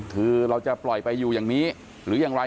คือเราจะปล่อยไปอยู่อย่างนี้หรืออย่างไร